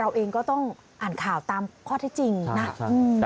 อ่านข่าวตามพอเท่จริงนะ